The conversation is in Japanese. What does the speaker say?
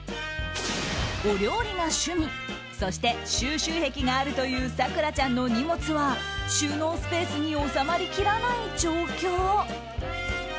お料理が趣味そして収集癖があるという咲楽ちゃんの荷物は収納スペースに収まりきらない状況。